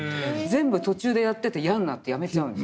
全部途中でやってて嫌になってやめちゃうんですよ。